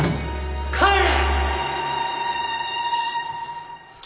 帰れ！